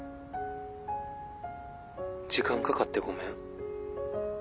時間かかってごめん。